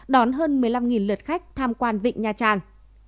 đón hơn một mươi năm lượt khách tham quan vịnh nha trang